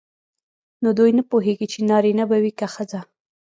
نو دوی نه پوهیږي چې نارینه به وي که ښځه.